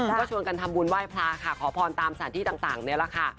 ก็ชวนกันทำบุญไว้พลาค่ะขอพรตามสถานที่ต่างนี้ละค่ะ